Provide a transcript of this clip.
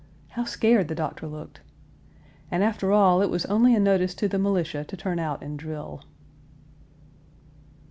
How scared the Doctor looked! And, after all, it was only a notice to the militia to turn out and drill.